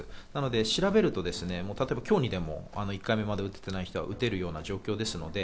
調べると、今日にでも１回もまだ打てていない人は打てる状況です。